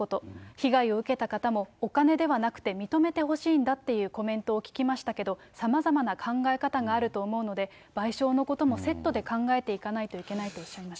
被害を受けた方も、お金ではなくて、認めてほしいんだっていうコメントを聞きましたけど、さまざまな考え方があると思うので、賠償のこともセットで考えていかないといけないとおっしゃいまし